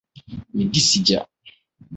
Midi sigya.